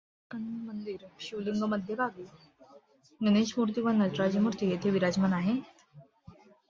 मल्हारी मार्तंड मंदिर शिवलिंग, मध्यभागी गणेशमूर्ती व नटराजमूर्ती येथे विराजमान आहेत.